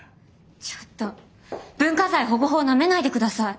ちょっと文化財保護法なめないでください。